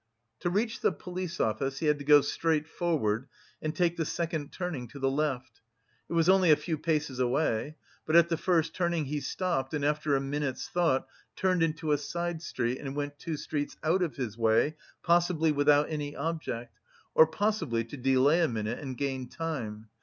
To reach the police office he had to go straight forward and take the second turning to the left. It was only a few paces away. But at the first turning he stopped and, after a minute's thought, turned into a side street and went two streets out of his way, possibly without any object, or possibly to delay a minute and gain time.